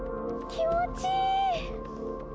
気持ちいい！